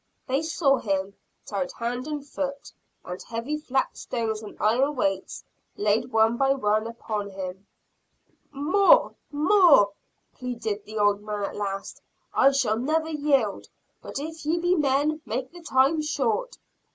They saw him, tied hand and foot, and heavy flat stones and iron weights laid one by one upon him. "More! More!" pleaded the old man at last. "I shall never yield. But, if ye be men, make the time short!"